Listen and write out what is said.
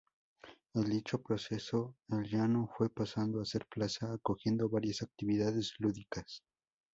En dicho proceso, el llano fue pasando a ser plaza, acogiendo varias actividades lúdicas.